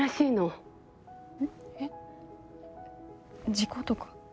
事故とか？